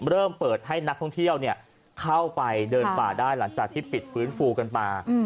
เริ่มเปิดให้นักท่องเที่ยวเข้าไปเดินป่าได้หลังจากที่ปิดฟื้นฟูกันมา